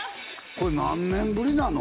これ何年ぶりなの？